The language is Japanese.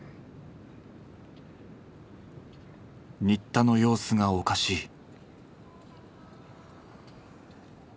新田の様子がおかしい。